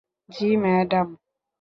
জ্বি, ম্যাডাম।